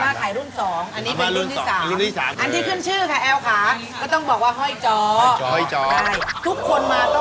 นี่คือน้องแอลล์นี่คือ